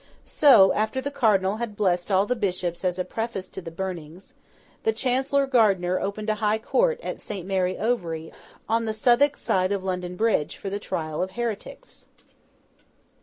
So, after the Cardinal had blessed all the bishops as a preface to the burnings, the Chancellor Gardiner opened a High Court at Saint Mary Overy, on the Southwark side of London Bridge, for the trial of heretics.